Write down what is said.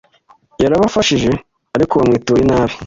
Yarabafashije ariko bamwitura inabi